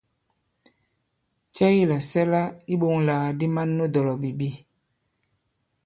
Cɛ ki làsɛla iɓoŋlàgàdi man nu dɔ̀lɔ̀bìbi ?